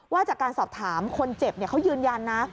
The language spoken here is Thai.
จากการสอบถามคนเจ็บเขายืนยันนะ